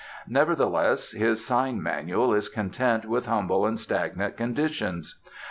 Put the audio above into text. Nevertheless, his sign manual is content with humble and stagnant conditions.